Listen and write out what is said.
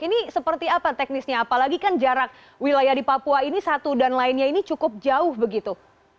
ini seperti apa teknisnya apalagi kan jarak wilayah di papua ini satu dan lainnya ini cukup jauh begitu